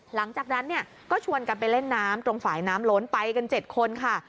หลังจากนั้นเนี่ยก็ชวนกันไปเล่นน้ำตรงฝ่ายน้ำล้นไปกัน๗คนค่ะ